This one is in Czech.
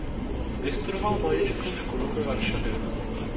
Vystudoval malířskou školu ve Varšavě.